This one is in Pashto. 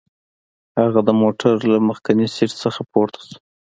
هغه د موټر له مخکیني سیټ نه پورته شو.